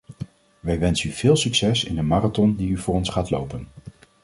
Wij wensen u veel succes in de marathon die u voor ons gaat lopen.